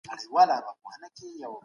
د تفريح او تمدن معيارونه لوړ سول.